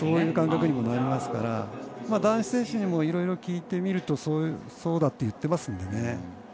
そういう感覚にもなりますから、男子選手にもいろいろ聞いてみるとそうだと言ってますので。